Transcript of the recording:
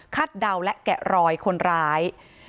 คัดดูและแกะลอยคนร้าย